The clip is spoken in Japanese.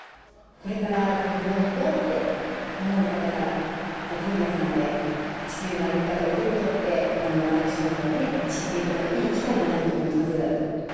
これから旅行に行こうって思う方が、本屋さんで、地球の歩き方を手に取って、私どもをね、知っていただくいい機会になると思